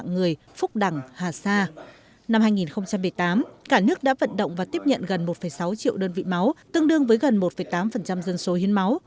năm hai nghìn một mươi tám cả nước đã vận động và tiếp nhận gần một sáu triệu đơn vị máu tương đương với gần một tám dân số hiến máu